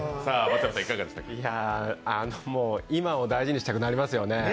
今を大事にしたくなりますよね。